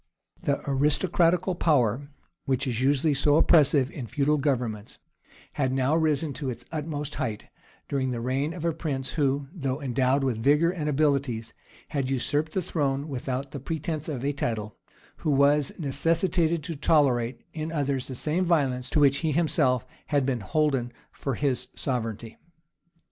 The aristocratical power, which is usually so oppressive in the Feudal governments, had now risen to its utmost height, during the reign of a prince who, though endowed with vigor and abilities, had usurped the throne without the pretence of a title, and who was necessitated to tolerate in others the same violence to which he himself had been holden for his sovereignty.